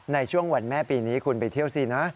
ในช่วงวันแม่ปีนี้คุณไปเที่ยวสินะ